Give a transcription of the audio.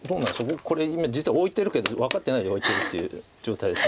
僕これ今実は置いてるけど分かってないで置いてるっていう状態です。